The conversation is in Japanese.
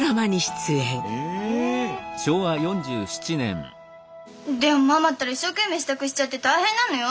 え⁉でもママったら一生懸命支度しちゃって大変なのよ。